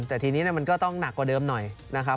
แต่ทีนี้มันก็ต้องหนักกว่าเดิมหน่อยนะครับ